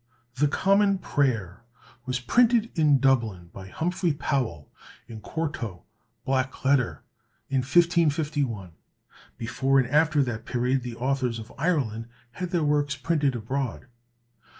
The "Common Prayer" was printed in Dublin by Humphrey Powell, in quarto, black letter, in 1551. Before and after that period the authors of Ireland had their works printed abroad.